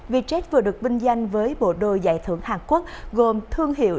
vietjet vừa được vinh danh với bộ đôi giải thưởng hàn quốc gồm thương hiệu